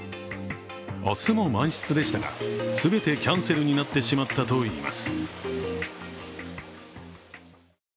明日も満室でしたが、全てキャンセルになってしまったといいます。